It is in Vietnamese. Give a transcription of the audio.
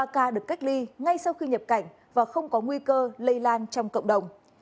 ba ca được cách ly ngay sau khi nhập cảnh và không có nguy cơ lây lan trong cộng đồng